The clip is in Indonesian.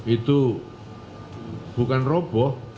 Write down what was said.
itu bukan roboh